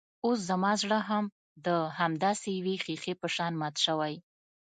اوس زما زړه هم د همداسې يوې ښيښې په شان مات شوی.